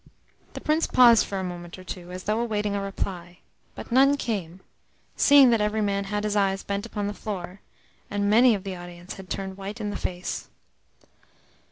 The Prince paused for a moment or two, as though awaiting a reply; but none came, seeing that every man had his eyes bent upon the floor, and many of the audience had turned white in the face.